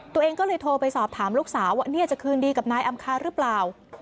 ตัวเองก็เลยโทรไปสอบถามลูกสาวว่าเนี่ยจะคืนดีกับนายอำคาหรือเปล่า